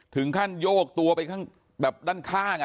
ถึงขั้นโยกตัวไปด้านข้าง